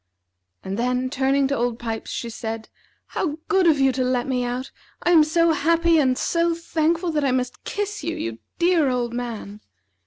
And then, turning to Old Pipes, she said: "How good of you to let me out! I am so happy and so thankful, that I must kiss you, you dear old man!"